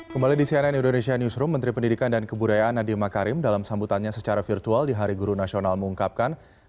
kembali di cnn indonesia newsroom menteri pendidikan dan kebudayaan nadiem makarim dalam sambutannya secara virtual di hari guru nasional mengungkapkan